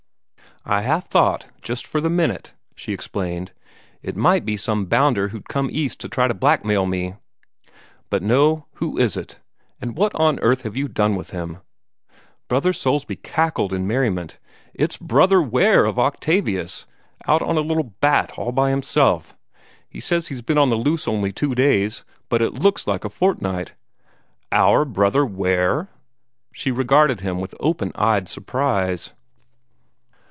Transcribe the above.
"I half thought, just for the minute," she explained, "it might be some bounder who'd come East to try and blackmail me. But no, who is it and what on earth have you done with him?" Brother Soulsby cackled in merriment. "It's Brother Ware of Octavius, out on a little bat, all by himself. He says he's been on the loose only two days; but it looks more like a fortnight." "OUR Brother Ware?" she regarded him with open eyed surprise.